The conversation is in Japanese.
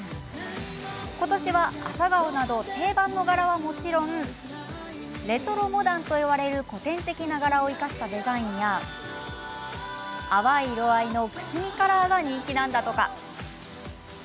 今年は、アサガオなど定番の柄はもちろんレトロモダンといわれる古典的な柄を生かしたデザインや淡い色合いのくすみカラーが人気なんだとか。